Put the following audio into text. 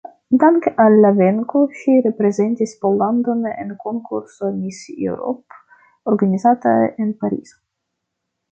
Danke al la venko ŝi reprezentis Pollandon en konkurso Miss Europe organizata en Parizo.